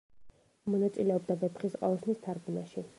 მონაწილეობდა ვეფხისტყაოსნის თარგმნაში.